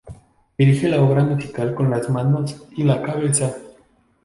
Dirige la obra musical con las manos y la cabeza.